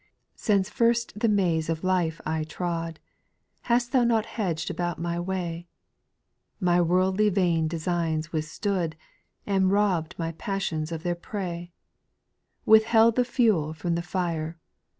Since first the maze of life I trod, Hast thou not hedged about my way * My worldly vain designs withstood. And robb'd my passions of their prey— Withheld the fuel from the fire.